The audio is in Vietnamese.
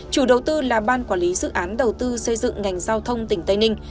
chủ đầu tư là ban quản lý dự án đầu tư xây dựng ngành giao